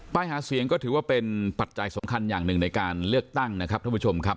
หาเสียงก็ถือว่าเป็นปัจจัยสำคัญอย่างหนึ่งในการเลือกตั้งนะครับท่านผู้ชมครับ